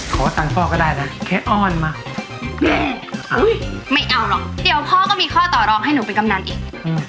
ขอสั่งพ่อก็ได้นะแค่อ้อนมาแม่ไม่เอาหรอกเดี๋ยวพ่อก็มีข้อต่อรองให้หนูเป็นกำนันอีก